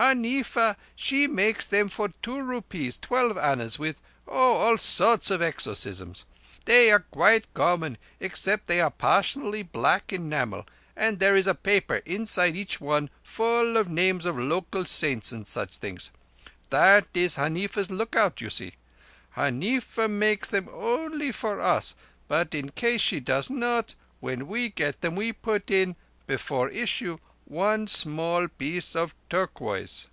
"Huneefa she makes them for two rupees twelve annas with—oh, all sorts of exorcisms. They are quite common, except they are partially black enamel, and there is a paper inside each one full of names of local saints and such things. Thatt is Huneefa's look out, you see? Huneefa makes them onlee for us, but in case she does not, when we get them we put in, before issue, one small piece of turquoise.